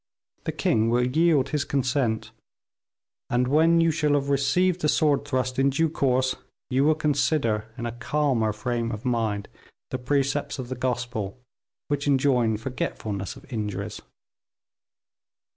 The king will yield his consent, and when you shall have received the sword thrust in due course, you will consider, in a calmer frame of mind, the precepts of the Gospel, which enjoin forgetfulness of injuries."